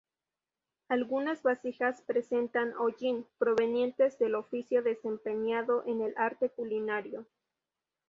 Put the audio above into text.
Algunas vasijas presentan hollín, provenientes del oficio desempeñado en el arte culinario.